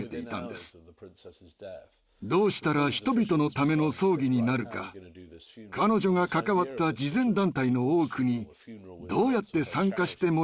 どうしたら人々のための葬儀になるか彼女が関わった慈善団体の多くにどうやって参加してもらうかなどです。